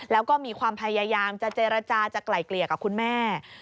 แล้วก็มีความพยายามจะเจรจาจะไกล่เกลี่ยกับคุณแม่